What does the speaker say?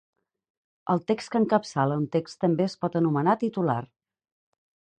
El text que encapçala un text també es pot anomenar titular.